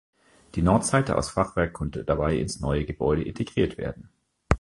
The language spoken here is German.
Die Nordseite aus Fachwerk konnte dabei ins neue Gebäude integriert werden.